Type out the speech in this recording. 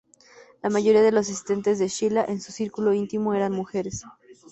La mayoría de los asistentes de Shila en su círculo íntimo eran mujeres.